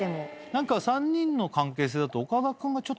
何か３人の関係性だと。